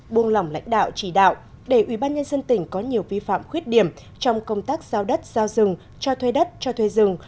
buông lỏng lãnh đạo chỉ đạo để ủy ban nhân dân tỉnh có nhiều vi phạm khuyết điểm trong công tác giao đất giao rừng cho thuê đất cho thuê rừng